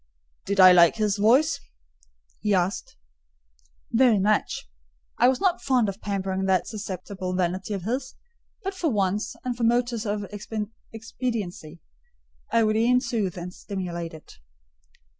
"Did I like his voice?" he asked. "Very much." I was not fond of pampering that susceptible vanity of his; but for once, and from motives of expediency, I would e'en soothe and stimulate it.